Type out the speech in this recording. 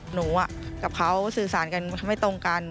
หนูกับเขาสื่อสารกันไม่ตรงกัน